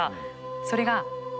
それが。